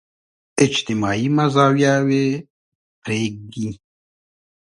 اجتماعي مزاياوې پرېږدي.